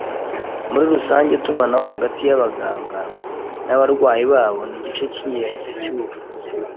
Muri rusange, itumanaho hagati yabaganga n’abarwayi babo nigice cyingenzi cyubuvuzi